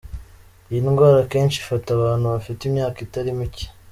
Iyi ndwara akenshi ifata abantu bafite imyaka itari mike.